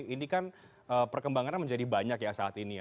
ini kan perkembangannya menjadi banyak ya saat ini ya